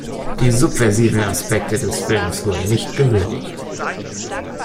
Die subversiven Aspekte des Films wurden nicht gewürdigt.